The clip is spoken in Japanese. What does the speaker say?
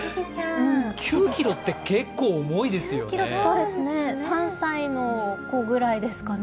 ９ｋｇって結構重いですよね。